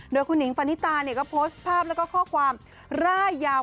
โดยคุณหิงปณิตาเนี่ยก็โพสต์ภาพแล้วก็ข้อความร่ายยาว